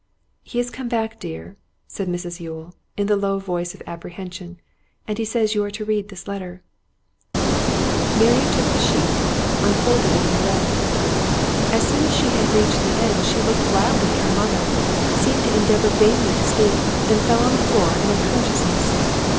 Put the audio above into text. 'He has come back, dear,' said Mrs Yule, in the low voice of apprehension, 'and he says you are to read this letter.' Marian took the sheet, unfolded it, and read. As soon as she had reached the end she looked wildly at her mother, seemed to endeavour vainly to speak, then fell to the floor in unconsciousness.